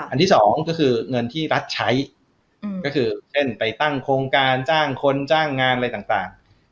ที่สองก็คือเงินที่รัฐใช้ก็คือเช่นไปตั้งโครงการจ้างคนจ้างงานอะไรต่าง